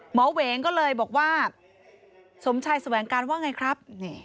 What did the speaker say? เหวงก็เลยบอกว่าสมชายแสวงการว่าไงครับ